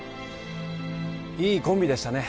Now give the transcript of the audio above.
いいコンビでしたね